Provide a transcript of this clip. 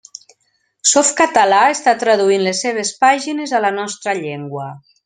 Softcatalà està traduint les seves pàgines a la nostra llengua.